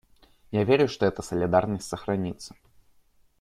Я верю, что эта солидарность сохранится.